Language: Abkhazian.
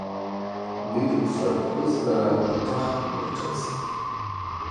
Уи лфырԥҳәызбара еиҭах ибырҿыцт.